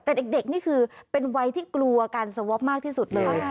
แต่เด็กนี่คือเป็นวัยที่กลัวการสวอปมากที่สุดเลย